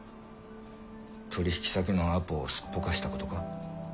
取引先のアポをすっぽかしたことか？